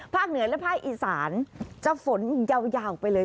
เหนือและภาคอีสานจะฝนยาวไปเลย